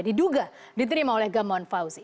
diduga diterima oleh gamawan fauzi